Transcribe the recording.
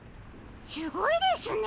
すごいですね！